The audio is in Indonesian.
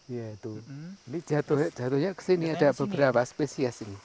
iya itu ini jatuhnya kesini ada beberapa spesies ini